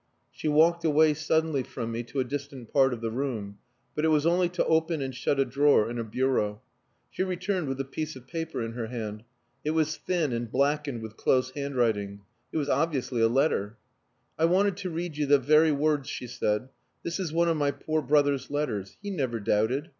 She walked away suddenly from me to a distant part of the room; but it was only to open and shut a drawer in a bureau. She returned with a piece of paper in her hand. It was thin and blackened with close handwriting. It was obviously a letter. "I wanted to read you the very words," she said. "This is one of my poor brother's letters. He never doubted.